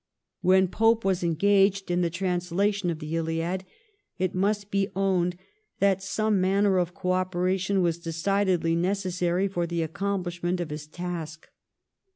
When Pope was engaged in the translation of the ' Hiad ' it must be owned that some manner of co operation was decidedly necessary for the ac complishment of his task.